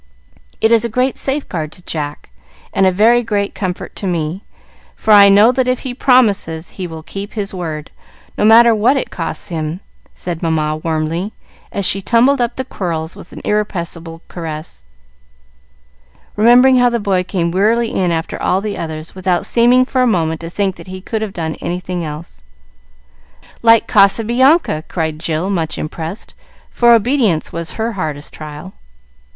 It is a great safeguard to Jack, and a very great comfort to me; for I know that if he promises he will keep his word, no matter what it costs him," said Mamma warmly, as she tumbled up the quirls with an irrepressible caress, remembering how the boy came wearily in after all the others, without seeming for a moment to think that he could have done anything else. "Like Casabianca!" cried Jill, much impressed, for obedience was her hardest trial.